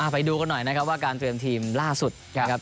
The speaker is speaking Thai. ไปดูกันหน่อยนะครับว่าการเตรียมทีมล่าสุดนะครับ